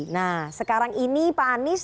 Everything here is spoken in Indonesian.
nah sekarang ini pak anies